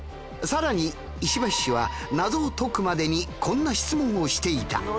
さらに石橋氏は謎を解くまでにこんな質問をしていた。